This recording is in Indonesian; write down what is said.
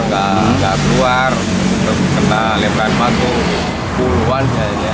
tidak keluar terkena lebaran bangku puluhan